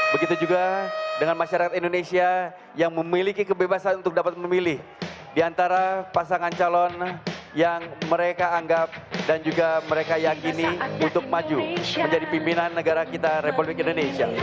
begitu juga dengan masyarakat indonesia yang memiliki kebebasan untuk dapat memilih diantara pasangan calon yang mereka anggap dan juga mereka yakini untuk maju menjadi pimpinan negara kita republik indonesia